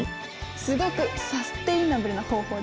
すごくサステイナブルな方法ですよ。